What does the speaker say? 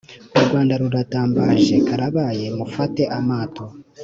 urwanda rurantabaje karabaye mufate amato